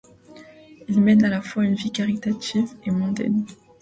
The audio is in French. Il mène à la fois une vie caritative et mondaine.